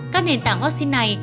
các nền tảng vaccine này